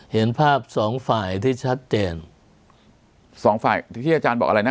เห็นภาพสองฝ่ายที่ชัดเจนสองฝ่ายที่อาจารย์บอกอะไรนะ